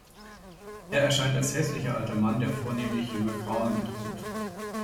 Er erscheint als hässlicher alter Mann, der vornehmlich junge Frauen bedroht.